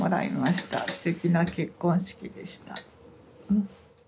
すてきな結婚式でした。